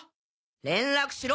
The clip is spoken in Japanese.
連絡しろ！